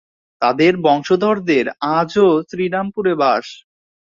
তাদের বংশধরদের আজও শ্রীরামপুরে বাস।